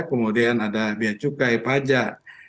kemudian ada beacukai pajak